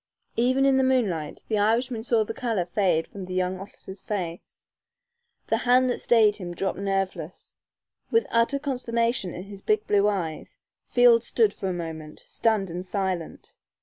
Even in the moonlight the Irishman saw the color fade from the young officer's face. The hand that stayed him dropped nerveless. With utter consternation in his big blue eyes, Field stood for a moment, stunned and silent.